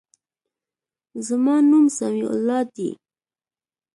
زما نوم سمیع الله دی.